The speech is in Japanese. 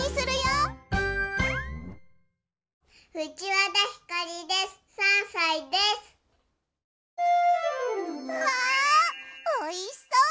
うわおいしそう！